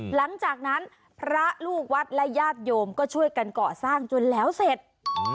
หลังจากนั้นพระลูกวัดและญาติโยมก็ช่วยกันเกาะสร้างจนแล้วเสร็จ